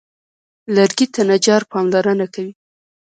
لرګي ته نجار پاملرنه کوي.